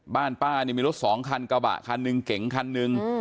บ้านป้านี่มีรถสองคันกระบะคันหนึ่งเก๋งคันหนึ่ง